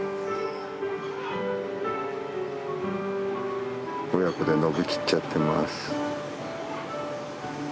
親子で伸び切っちゃってます。